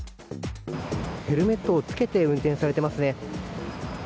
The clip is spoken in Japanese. ヘルメットを着けて運転されていますね。